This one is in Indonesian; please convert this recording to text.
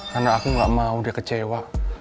karena aku gak mau dia kecewa